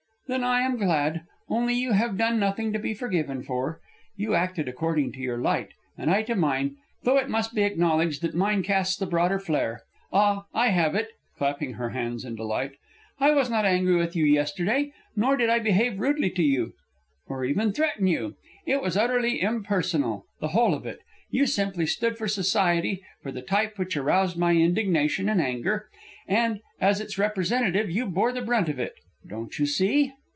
"Then I am glad only, you have done nothing to be forgiven for. You acted according to your light, and I to mine, though it must be acknowledged that mine casts the broader flare. Ah! I have it," clapping her hands in delight, "I was not angry with you yesterday; nor did I behave rudely to you, or even threaten you. It was utterly impersonal, the whole of it. You simply stood for society, for the type which aroused my indignation and anger; and, as its representative, you bore the brunt of it. Don't you see?"